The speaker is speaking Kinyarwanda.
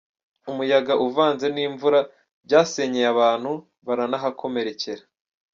Umuyaga uvanze n’imvura byasenyeye abantu baranahakomerekera